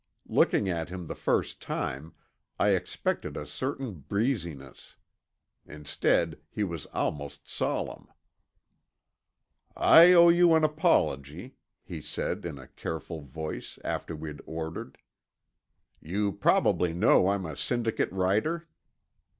Looking at him the first time, I expected a certain breeziness. instead, he was almost solemn. "I owe you an apology," he said in a careful voice after we'd ordered. "You probably know I'm a syndicate writer?"